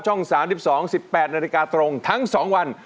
๓๒๑๘นาฬิกาตรงทั้ง๒วัน